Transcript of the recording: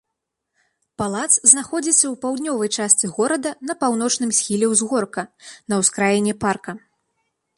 Палац знаходзіцца ў паўднёвай частцы горада на паўночным схіле ўзгорка, на ўскраіне парка.